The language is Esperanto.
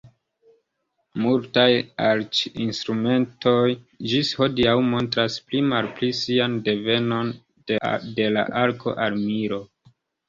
Multaj arĉinstrumentoj ĝis hodiaŭ montras pli malpli sian devenon de la arko-armilo.